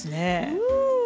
うん！